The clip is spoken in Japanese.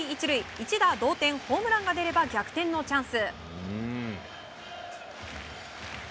一打同点、ホームランが出れば逆転のチャンス。